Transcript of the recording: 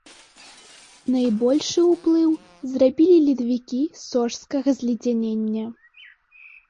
Найбольшы ўплыў зрабілі ледавікі сожскага зледзянення.